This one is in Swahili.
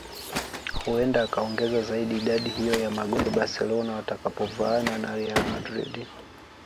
Huenda akaongeza zaidi idadi hiyo ya magoli Barcelona watakapovaana na Real Madrid